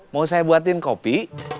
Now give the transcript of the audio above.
mau saya buatin kopi